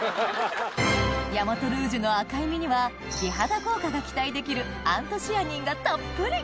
大和ルージュの赤い実には美肌効果が期待できるアントシアニンがたっぷり！